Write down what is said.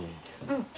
うん。